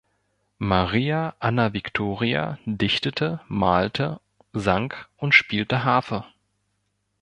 Maria Anna Victoria dichtete, malte, sang und spielte Harfe.